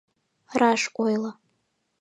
Раш ойло.